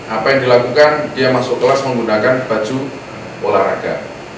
apa yang dilakukan dia masuk kelas menggunakan baju olahraga